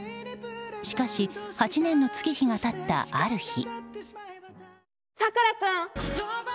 しかし、８年の月日が経ったある日。